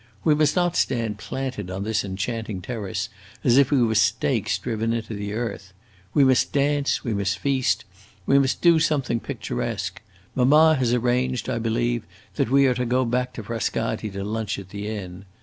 We must not stand planted on this enchanting terrace as if we were stakes driven into the earth. We must dance, we must feast, we must do something picturesque. Mamma has arranged, I believe, that we are to go back to Frascati to lunch at the inn.